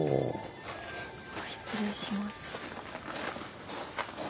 失礼します。